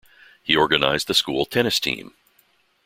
He organised the school tennis team.